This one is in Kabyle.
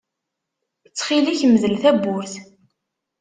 Ttxil-k mdel tawwurt.